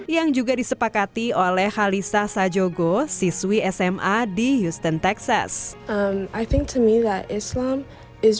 yang juga disepakati oleh halisa sajogo siswi sma di houston texas i think to me that islam is